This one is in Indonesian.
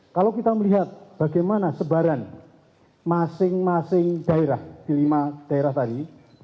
kalau kita melihat bagaimana sebaran masing masing daerah di lima daerah tadi